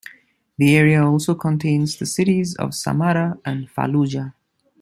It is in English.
The area also contains the cities of Samarra and Fallujah.